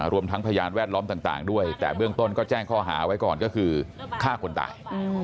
รวมทั้งพยานแวดล้อมต่างด้วยแต่เบื้องต้นก็แจ้งข้อหาไว้ก่อนก็คือฆ่าคนตาย